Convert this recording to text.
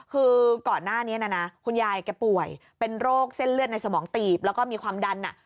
คือก่อนหน้านี้นะขุนยายแกป่วยมีโรคเส้นเลือดในสมองตีบและมีความดันอะ